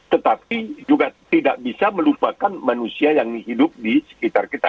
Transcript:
tetapi juga tidak bisa melupakan manusia yang hidup di sekitar kita